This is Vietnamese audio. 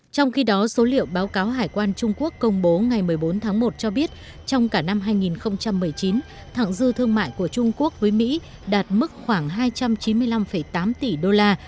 trong khi đó số liệu báo cáo hải quan trung quốc công bố ngày một mươi bốn tháng một cho biết trong cả năm hai nghìn một mươi chín thẳng dư thương mại của trung quốc với mỹ đạt mức khoảng hai trăm chín mươi năm tám tỷ đô la